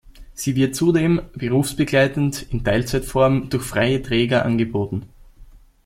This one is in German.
Sie wird zudem berufsbegleitend in Teilzeitform durch freie Träger angeboten.